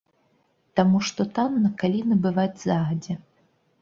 Таму што танна, калі набываць загадзя!